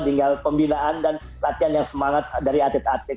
tinggal pembinaan dan latihan yang semangat dari atlet atlet